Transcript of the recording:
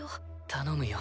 頼むよ。